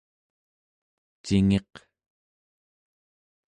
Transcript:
cingiq